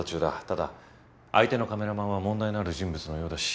ただ相手のカメラマンは問題のある人物のようだし。